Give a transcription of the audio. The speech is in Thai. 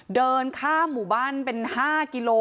เดินข้ามหมู่บ้านเป็น๕กิโล